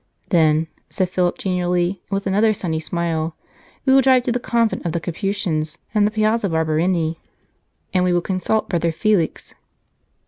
"Then," said St. Philip genially and with another sunny smile, "we will drive to the Con vent of the Capuchins in the Piazza Barberini, and we will consult Brother Felix."